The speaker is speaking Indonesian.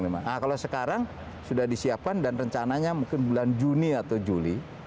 nah kalau sekarang sudah disiapkan dan rencananya mungkin bulan juni atau juli